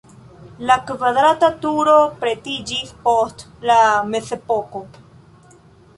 La kvadrata turo pretiĝis post la mezepoko.